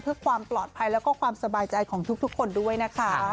เพื่อความปลอดภัยแล้วก็ความสบายใจของทุกคนด้วยนะคะ